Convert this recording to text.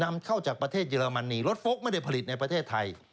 นำเข้าจากประเทศเยอรมนีรถโฟลกไม่ได้ผลิตในประเทศไทย